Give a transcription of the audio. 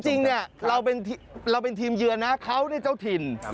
จริงเราเป็นทีมเยือนนะเขาได้เจ้าถิ่น